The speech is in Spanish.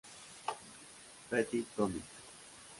Petit Comic